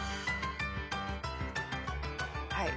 はい。